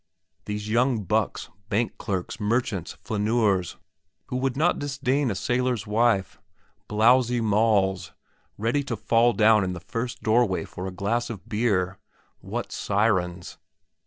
These young bucks, bank clerks, merchants, flâneurs who would not disdain a sailor's wife; blowsy Molls, ready to fall down in the first doorway for a glass of beer! What sirens!